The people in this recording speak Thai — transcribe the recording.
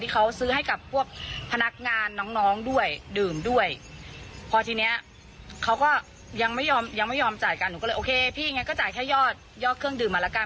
เขาก็ยังไม่ยอมจ่ายกันหนูก็เลยโอเคพี่ก็จ่ายแค่ยอดเยาะเครื่องดื่มมาละกัน